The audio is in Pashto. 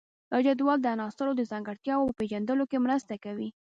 دا جدول د عناصرو د ځانګړتیاوو په پیژندلو کې مرسته کوي.